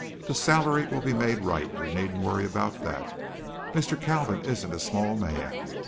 The salary will be made right, you needn't worry about that. Mr. Kalvin isn't a small man.